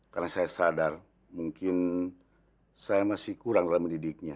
karena saya sadar mungkin saya masih kurang dalam mendidiknya